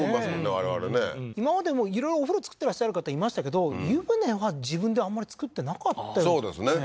我々ね今までもいろいろお風呂造ってらっしゃる方いましたけど湯船は自分であんまり造ってなかったそうですね